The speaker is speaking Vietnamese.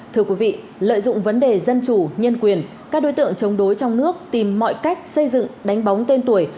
thưa quý vị lợi dụng vấn đề dân chủ nhân quyền các đối tượng chống đối trong nước tìm mọi cách xây dựng đánh bóng tên tuổi